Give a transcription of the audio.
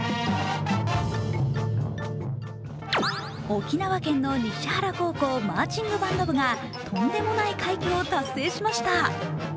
沖縄県の西原高校マーチングバンド部がとんでもない快挙を達成しました。